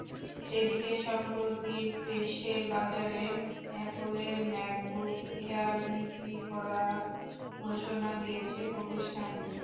এদিকে, সম্প্রতি দেশের বাজারে অ্যাপলের ম্যাকবুক এয়ার বিক্রি করার ঘোষণা দিয়েছে প্রতিষ্ঠানটি।